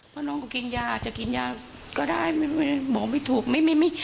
พ่อน้องก็กินยาจะกินยาก็ได้ไม่มีบอกไม่ถูกไม่มีมี